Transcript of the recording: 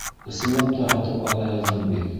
Ысынлап та һатып ала яҙҙың бит...